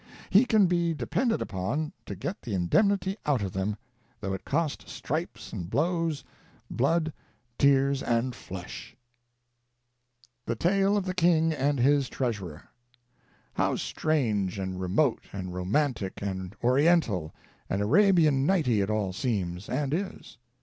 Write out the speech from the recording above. He can be de pended upon to get the indemnity out of them, though it cost stripes and blows, blood, tears and flesh. VOL. CLXXIL— NO. 533. 34 530 THE NORTH AMERICAN REVIEW THE TALE OF THE KING AND HIS TREASURER. How strange and remote and romantic and Oriental and Arabian Nighty it all seems — and is.